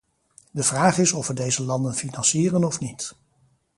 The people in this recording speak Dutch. De vraag is of we deze landen financieren of niet.